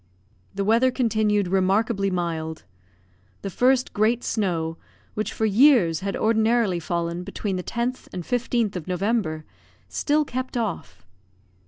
The weather continued remarkably mild. The first great snow, which for years had ordinarily fallen between the 10th and 15th of November, still kept off.